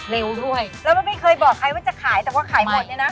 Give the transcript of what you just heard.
แล้วมันไม่เคยบอกใครว่าจะขายแต่ไหหอขายหมดเนี่ยเนอะ